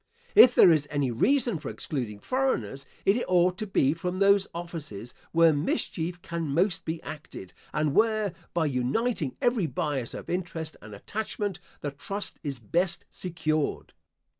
If there is any reason for excluding foreigners, it ought to be from those offices where mischief can most be acted, and where, by uniting every bias of interest and attachment, the trust is best secured.